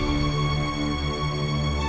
aku mau ke sana